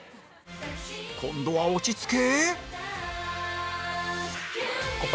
今度は落ち着け！